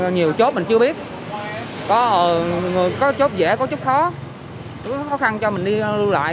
nhiều chỗ mình chưa biết có chỗ dễ có chỗ khó có khó khăn cho mình đi lưu lại